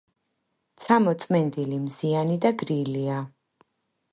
ცა მოწმენდილი, მზიანი და გრილია.